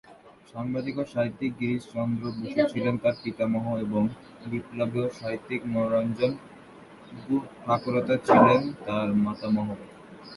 সাংবাদিক ও সাহিত্যিক গিরিশচন্দ্র বসু ছিলেন তার পিতামহ এবং বিপ্লবী ও সাহিত্যিক মনোরঞ্জন গুহঠাকুরতা ছিলেন তার মাতামহ।